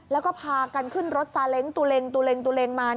แล้วก็พากันขึ้นรถสาเล็งตุเล็งมา